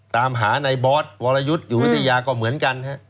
ตามหานายบอสหยุดอยู่วิทยาก็เหมือนกัน